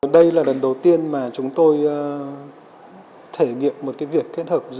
đây là lần đầu tiên mà chúng tôi thể nghiệm một việc kết hợp giữa